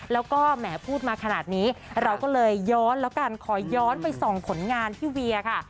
แล้วก็แหมพูดมาขนาดนี้เราก็เลยย้อนแล้วกันขอย้อนไปส่องผลงานพี่เวียค่ะ